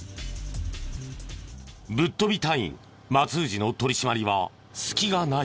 ぶっ飛び隊員松藤の取り締まりは隙がない。